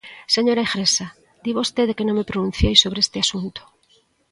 Señora Igrexa, di vostede que non me pronunciei sobre este asunto.